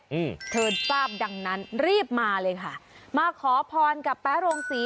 อืมเธอทราบดังนั้นรีบมาเลยค่ะมาขอพรกับแป๊โรงศรี